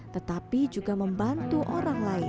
tetapi juga membantu orang lain